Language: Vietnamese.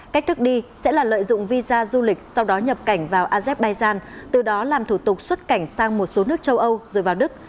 cách thức đi sẽ là lợi dụng visa du lịch sau đó nhập cảnh vào azerbaijan từ đó làm thủ tục xuất cảnh sang một số nước châu âu rồi vào đức